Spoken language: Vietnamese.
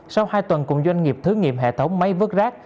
sau hai tuần cùng doanh nghiệp thử nghiệm hệ thống máy vớt rác